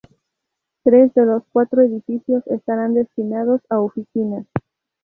Tres de los cuatro edificios estarán destinados a oficinas.